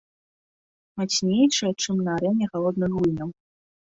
Мацнейшай, чым на арэне галодных гульняў.